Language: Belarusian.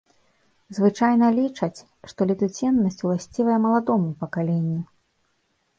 Звычайна лічаць, што летуценнасць ўласцівая маладому пакаленню.